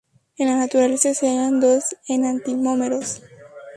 En la naturaleza se hallan dos enantiómeros.